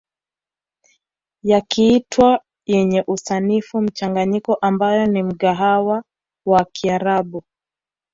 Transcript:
Yakiitwa yenye usanifu mchanganyiko ambayo ni mgahawa wa kiarabu